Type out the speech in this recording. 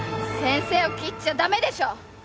先生を斬っちゃ駄目でしょ！